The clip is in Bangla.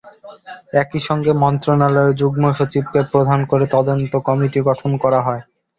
একই সঙ্গে মন্ত্রণালয়ের যুগ্ম সচিবকে প্রধান করে তদন্ত কমিটি গঠন করা হয়।